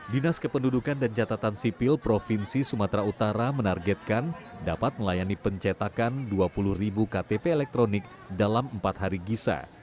dinas kependudukan dan catatan sipil provinsi sumatera utara menargetkan dapat melayani pencetakan dua puluh ribu ktp elektronik dalam empat hari gisa